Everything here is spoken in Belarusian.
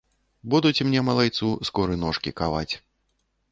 Будуць мне, малайцу, скоры ножкі каваць.